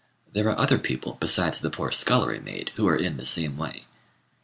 ] There are other people besides the poor scullery maid who are in the same way.